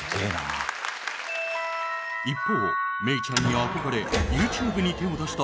一方メイちゃんに憧れＹｏｕＴｕｂｅに手を出した。